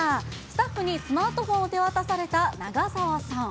スタッフにスマートフォンを手渡された長澤さん。